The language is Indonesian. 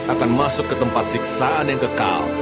akan masuk ke tempat siksaan yang kekal